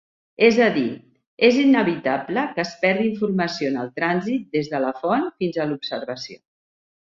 És a dir, és inevitable que es perdi informació en el trànsit des de la font fins a l'observació.